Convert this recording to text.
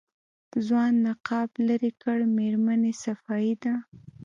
ځوان نقاب لېرې کړ مېرمنې صفايي ده.